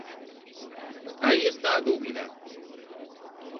Aí está a dúbida.